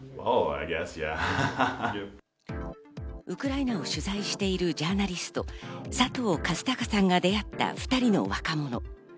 ウクライナを取材しているジャーナリスト・佐藤和孝さんが出会った２人の若者。